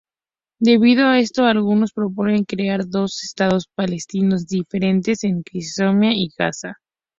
Debido a esto algunos proponen crear dos estados palestinos diferentes en Cisjordania y Gaza.